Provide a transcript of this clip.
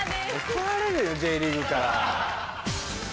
怒られるよＪリーグから。